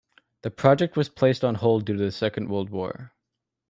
The project was placed on hold due to the Second World War.